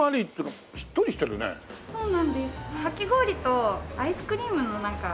かき氷とアイスクリームのなんか。